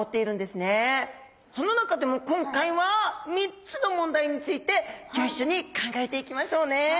その中でも今回は３つの問題についてギョ一緒に考えていきましょうね。